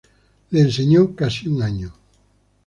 Le enseñó casi un año.